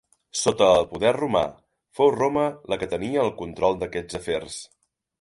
Sota el poder romà, fou Roma la que tenia el control d'aquests afers.